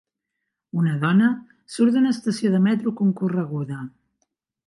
Una dona surt d'una estació de metro concorreguda.